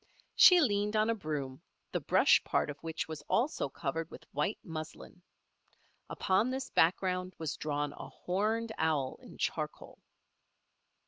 She leaned on a broom, the brush part of which was also covered with white muslin. Upon this background was drawn a horned owl in charcoal.